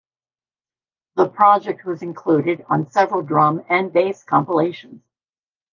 The project was included on several drum and bass compilations.